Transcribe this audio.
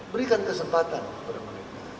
berikan kesempatan kepada mereka